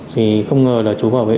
thì không ngờ là chú bảo vệ